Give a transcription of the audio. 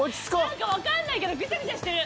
何かわかんないけどぐちゃぐちゃしてる。